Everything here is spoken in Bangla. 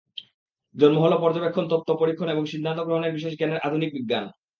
জন্ম হলো পর্যবেক্ষণ, তত্ত্ব, পরীক্ষণ এবং সিদ্ধান্ত গ্রহণের বিশেষ জ্ঞানের আধুনিক বিজ্ঞানের।